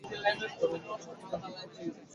ধর্মের মধ্যেই মানুষের সফল বৃত্তির চূড়ান্ত প্রকাশ।